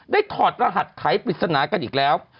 ได้ถอดรหัสขายปริศนากันอีกแล้ว